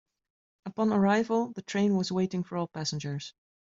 Upon arrival, the train was waiting for all passengers.